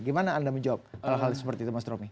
gimana anda menjawab hal hal seperti itu mas romy